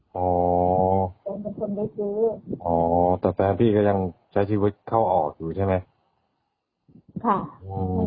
อ๋อแฟนเป็นคนได้ซื้ออ๋อแต่แฟนพี่ก็ยังใช้ชีวิตเข้าออกอยู่ใช่ไหม